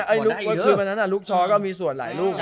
เมื่อคืนนะไอลูกชอก็มีส่วนหลายลูกนะ